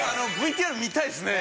ＶＴＲ見たいですね